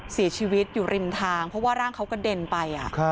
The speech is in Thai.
เสียชีวิตอยู่ริมทางเพราะว่าร่างเขากระเด็นไป